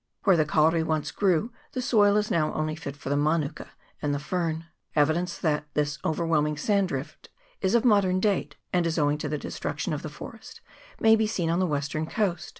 Where the kauri once grew the soil is now only fit for the manuka and the fern. Evidence that this overwhelming sand drift is of a modern date, and is owing to the destruction of the forest, may be seen on the western coast.